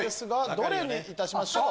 どれにいたしましょう？